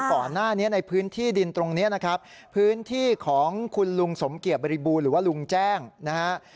ก่อนหน้านี้ในพื้นที่ดินตรงนี้นะครับพื้นที่ของคุณลุงสมเกียจบริบูรหรือว่าลุงแจ้งนะฮะ